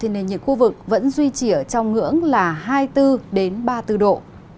nền nhiệt khu vực vẫn duy trì ở trong ngưỡng là hai mươi bốn ba mươi bốn độ